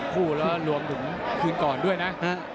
คู่แล้วรวมถึงคืนก่อนด้วยนะ